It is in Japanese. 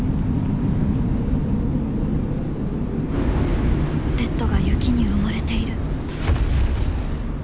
レッドが雪に埋もれている。